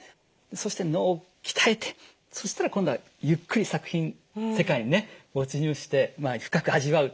そして脳を鍛えてそしたら今度はゆっくり作品世界にね没入して深く味わう。